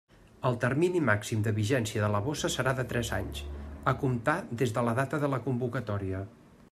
El termini màxim de vigència de la bossa serà de tres anys, a comptar des de la data de la convocatòria.